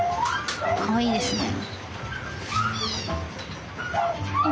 かわいいですね。